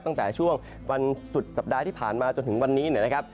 ตั้งแต่ช่วงวันสุดสัปดาห์ที่ผ่านมาจนถึงวันนี้นะครับ